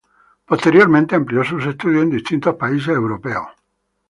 Posteriormente amplió sus estudios en distintos países europeos.